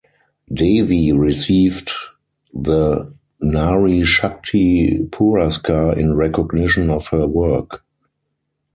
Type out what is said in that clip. Devi received the Nari Shakti Puraskar in recognition of her work.